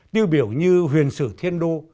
tiêu biểu như huyền sử thiên đô